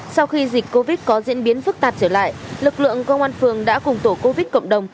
sau khi dịch covid có diễn biến phức tạp trở lại lực lượng công an phường đã cùng tổ covid cộng đồng